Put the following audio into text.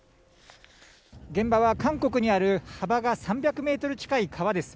現場は韓国にある幅が３００メートル近い川です。